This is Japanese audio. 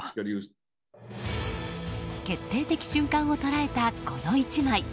決定的瞬間を捉えたこの１枚。